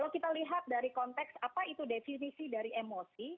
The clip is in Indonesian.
kalau kita lihat dari konteks apa itu defisi dari emosi